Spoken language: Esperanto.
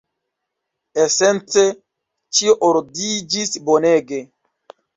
Esence, ĉio ordiĝis bonege.